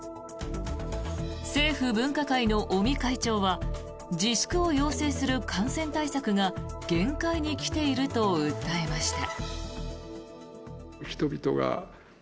政府分科会の尾身会長は自粛を要請する感染対策が限界に来ていると訴えました。